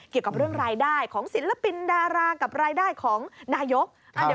เกี่ยวกับเรื่องรายได้ของศิลปินดารากับรายได้ของนายก